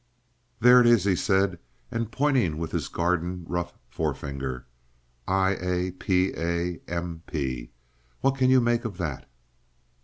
"There it is," he said, and pointing with his garden rough forefinger. "I.A.P.A.M.P. What can you make of that?"